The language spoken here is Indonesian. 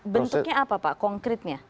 bentuknya apa pak konkretnya